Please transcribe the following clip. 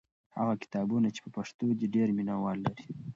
هغه کتابونه چې په پښتو دي ډېر مینه وال لري.